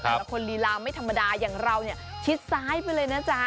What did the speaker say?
แต่ละคนลีลาไม่ธรรมดาอย่างเราเนี่ยชิดซ้ายไปเลยนะจ๊ะ